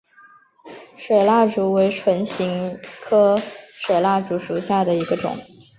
水蜡烛为唇形科水蜡烛属下的一个种。